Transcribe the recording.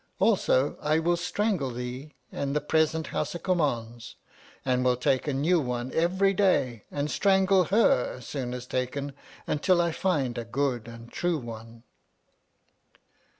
Also, I will strangle thee and the present Howsa Kummauns, and will take a new one every day and strangle her as soon as taken, until I find a good and true one.